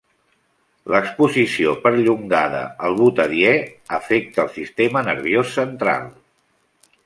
L'exposició perllongada al butadiè afecta el sistema nerviós central.